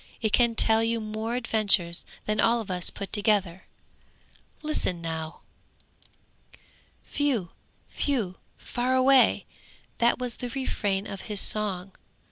It can tell you more adventures than all of us put together. Listen now: 'Whew! Whew! Fare away!' That was the refrain of his song.